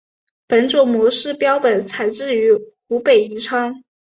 本种模式标本采自于湖北宜昌。